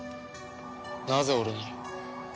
なぜ俺に。